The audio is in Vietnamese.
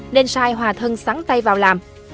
nên sai hòa thân sắn tay vào làm